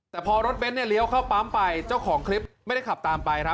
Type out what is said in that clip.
แต่พอรถเบ้นเนี่ยเลี้ยวเข้าปั๊มไปเจ้าของคลิปไม่ได้ขับตามไปครับ